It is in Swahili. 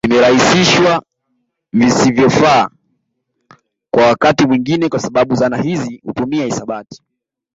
Zimerahisishwa visivyofaaa kwa wakati mwingine kwa sababu dhana hizi hutumia hisabati